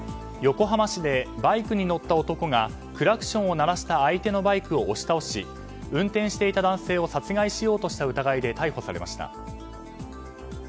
横浜市でバイクに乗った男がクラクションを鳴らした相手のバイクを押し倒し運転していた男性を殺害しようとした疑いで逮捕されました。